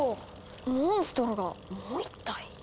モンストロがもう一体？